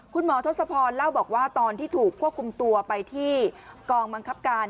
ทศพรเล่าบอกว่าตอนที่ถูกควบคุมตัวไปที่กองบังคับการ